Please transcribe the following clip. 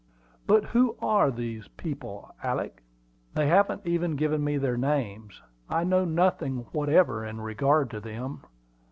"But who are these people, Alick?" "They haven't even given me their names; I know nothing whatever in regard to them.